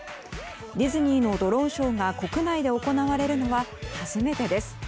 ディズニーのドローンショーが国内で行われるのは初めてです。